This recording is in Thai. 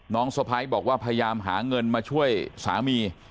สะพ้ายบอกว่าพยายามหาเงินมาช่วยสามี